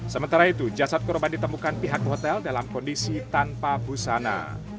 sementara itu jasad korban ditemukan pihak hotel dalam kondisi tanpa busana